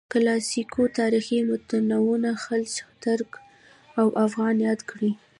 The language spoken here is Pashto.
کلاسیکو تاریخي متونو خلج، ترک او افغان یاد کړي.